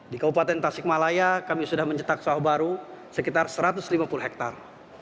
di kabupaten tasikmalaya kami sudah mencetak sawah baru sekitar satu ratus lima puluh hektare